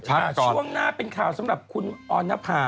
ช่วงหน้าเป็นข่าวสำหรับคุณออนภา